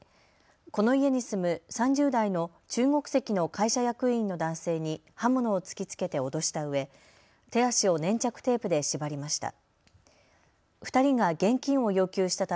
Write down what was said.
この家に住む３０代の中国籍の会社役員の男性に刃物を突きつけて脅したうえ手足を粘着テープで縛りました。